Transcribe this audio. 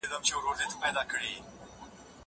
هغه څوک چي مکتب ځي زده کړه کوي؟!